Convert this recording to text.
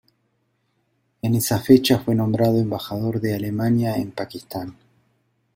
En esa fecha fue nombrado Embajador de Alemania en Pakistán.